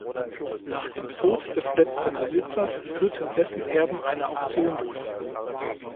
Nach dem Tod des letzten Besitzers führten dessen Erben eine Auktion durch.